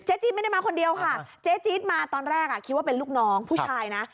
จี๊ดไม่ได้มาคนเดียวค่ะเจ๊จี๊ดมาตอนแรกคิดว่าเป็นลูกน้องผู้ชายนะ